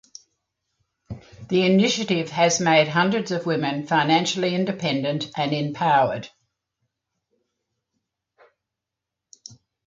The initiative has made hundreds of women financially independent and empowered.